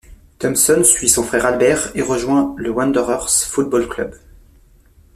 Thompson suit son frère Albert et rejoint le Wanderers Football Club.